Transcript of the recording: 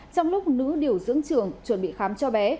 trong lúc nữ điều dưỡng trường chuẩn bị khám cho bé